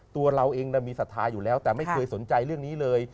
ตัวเราเองมีศรัทธาอยู่แล้วแต่ไม่เคยสนใจเรื่องนี้เลย